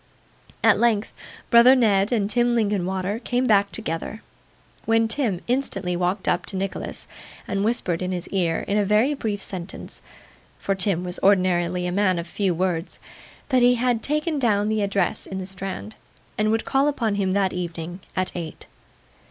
At length brother Ned and Tim Linkinwater came back together, when Tim instantly walked up to Nicholas and whispered in his ear in a very brief sentence (for Tim was ordinarily a man of few words), that he had taken down the address in the Strand, and would call upon him that evening, at eight.